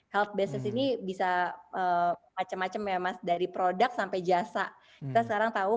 health business ini bisa macam macam ya mas dari produk sampai jasa kita sekarang tahu